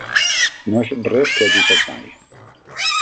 No és res que hagi fet mai.